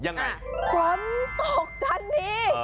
ยังไงฝนตกทันที